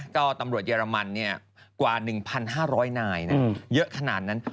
ก็ตำรวจเยอรมันกว่า๑๕๐๐นายเยอะขนาดนั้น